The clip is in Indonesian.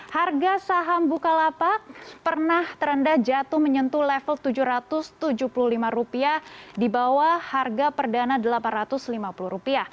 harga saham bukalapak pernah terendah jatuh menyentuh level rp tujuh ratus tujuh puluh lima di bawah harga perdana rp delapan ratus lima puluh